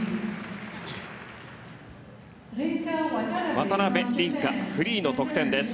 渡辺倫果、フリーの得点です。